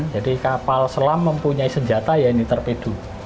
jadi kapal selam mempunyai senjata ya ini torpedo